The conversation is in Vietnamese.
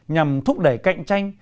nhằm thúc đẩy cạnh tranh